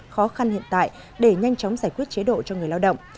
khó khăn hiện tại để nhanh chóng giải quyết chế độ cho người lao động